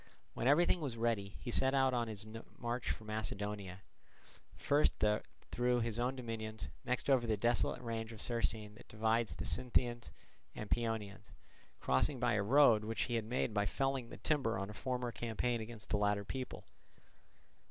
When everything was ready, he set out on his march for Macedonia, first through his own dominions, next over the desolate range of Cercine that divides the Sintians and Paeonians, crossing by a road which he had made by felling the timber on a former campaign against the latter people.